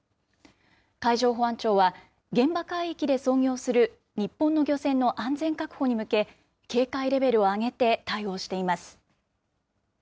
海上保安庁は、現場海域で操業する日本の漁船の安全確保に向け、警戒レベルを上げて対応しています。